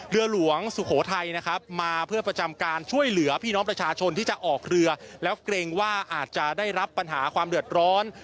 เรือหลวงสุโขทัยนะครับมาเพื่อประจำการช่วยเหลือพี่น้องประชาชนที่จะออกเรือแล้วเกรงว่าอาจจะได้รับปัญหาความเดือดร้อน